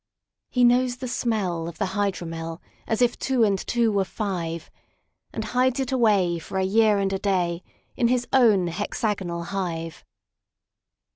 He knows the smell of the hydromelAs if two and two were five; And hides it away for a year and a dayIn his own hexagonal hive.